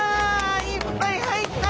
いっぱい入った！